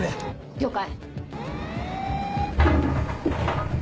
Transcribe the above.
了解。